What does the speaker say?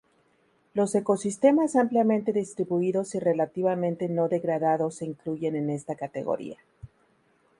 Los ecosistemas ampliamente distribuidos y relativamente no degradados se incluyen en esta categoría.